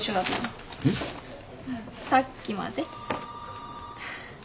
さっきまで。